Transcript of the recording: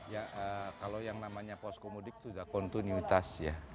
nah kalau yang namanya posko mudik itu sudah kontinuitas ya